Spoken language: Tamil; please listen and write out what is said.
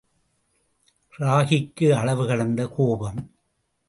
ராகிக்கு அளவு கடந்த கோபம்.